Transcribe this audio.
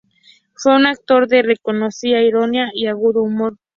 Fue un autor de reconocida ironía y agudo humor.